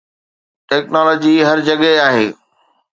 technology هر جڳهه آهي